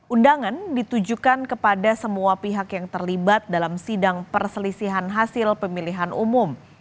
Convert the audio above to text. undangan ditujukan kepada semua pihak yang terlibat dalam sidang perselisihan hasil pemilihan umum